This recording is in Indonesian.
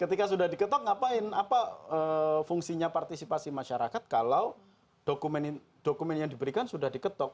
ketika sudah diketok ngapain apa fungsinya partisipasi masyarakat kalau dokumen yang diberikan sudah diketok